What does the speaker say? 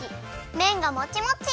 めんがもちもち！